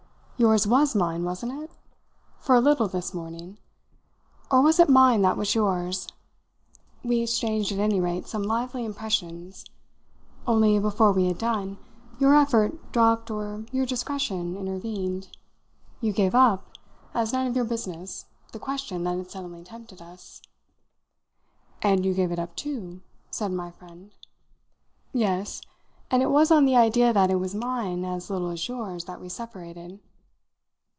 Yours was mine, wasn't it? for a little, this morning. Or was it mine that was yours? We exchanged, at any rate, some lively impressions. Only, before we had done, your effort dropped or your discretion intervened: you gave up, as none of your business, the question that had suddenly tempted us." "And you gave it up too," said my friend. "Yes, and it was on the idea that it was mine as little as yours that we separated."